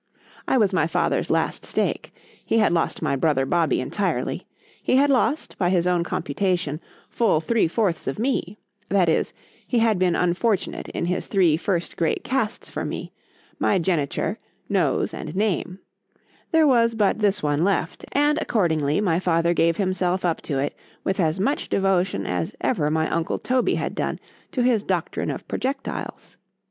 I was my father's last stake—he had lost my brother Bobby entirely,—he had lost, by his own computation, full three fourths of me—that is, he had been unfortunate in his three first great casts for me—my geniture, nose, and name,—there was but this one left; and accordingly my father gave himself up to it with as much devotion as ever my uncle Toby had done to his doctrine of projectils.